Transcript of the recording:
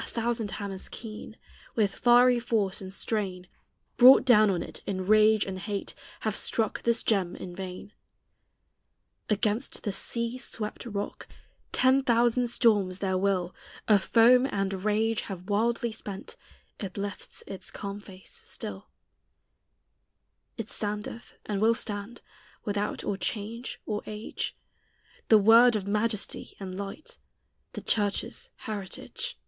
A thousand hammers keen, With fiery force and strain, Brought down on it in rage and hate, Have struck this gem in vain. Against this sea swept rock Ten thousand storms their will Of foam and rage have wildly spent; It lifts its calm face still. It standeth and will stand, Without or change or age, The word of majesty and light, The church's heritage.